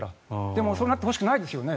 でもそうなってほしくないですよね。